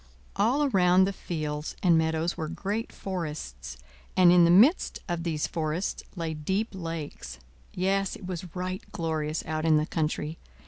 All around the fields and meadows were great forests, and in the midst of these forests lay deep lakes. Yes, it was right glorious out in the country.